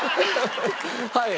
はい。